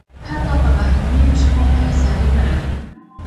حتی په بهرنیو ژبو کې ساری نلري.